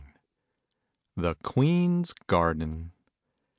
THE QUEEN'S GARDEN.